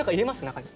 中に。